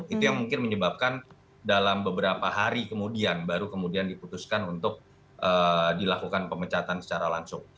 itu yang mungkin menyebabkan dalam beberapa hari kemudian baru kemudian diputuskan untuk dilakukan pemecatan secara langsung